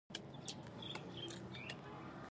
راځه پردې او حیا لرې کړه.